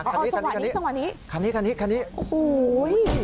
อ๋อจังหวะนี้อู๋